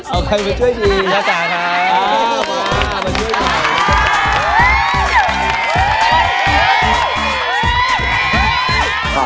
เออกันก็ช่วยจี๋จ๊าจ๋าค่ะ